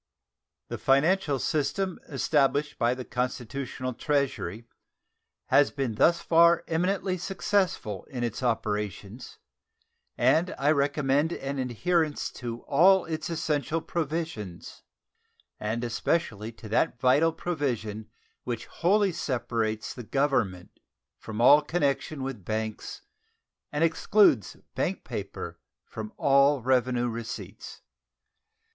The financial system established by the constitutional treasury has been thus far eminently successful in its operations, and I recommend an adherence to all its essential provisions, and especially to that vital provision which wholly separates the Government from all connection with banks and excludes bank paper from all revenue receipts.